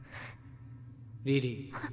リリー。